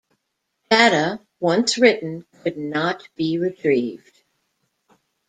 Data, once written, could not be retrieved.